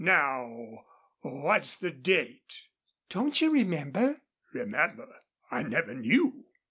"Now, what's the date?" "Don't you remember?" "Remember? I never knew."